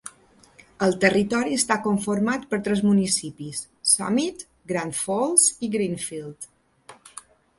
El territori està conformat per tres municipis: Summit, Grand Falls i Greenfield.